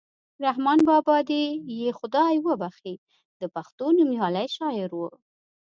رحمان بابا دې یې خدای وبښي د پښتو نومیالی شاعر ؤ.